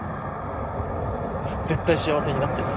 絶対幸せになってね。